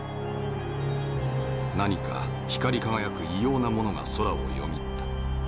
「何か光り輝く異様なものが空をよぎった。